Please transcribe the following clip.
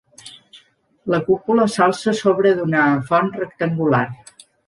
La cúpula s'alça sobre d'una font rectangular.